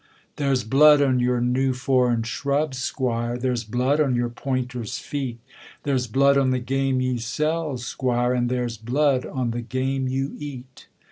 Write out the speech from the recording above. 'There's blood on your new foreign shrubs, squire, There's blood on your pointer's feet; There's blood on the game you sell, squire, And there's blood on the game you eat.